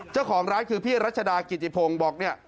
เจ้าของร้านคือพี่รัชดากิติพงศ์บอกเนี่ย